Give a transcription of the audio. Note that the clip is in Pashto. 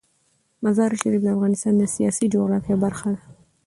مزارشریف د افغانستان د سیاسي جغرافیه برخه ده.